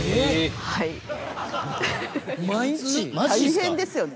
大変ですよね。